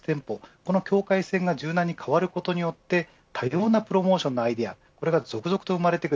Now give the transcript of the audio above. この境界線が柔軟に変わることによって多様なプロモーションのアイデアが続々と生まれてくる。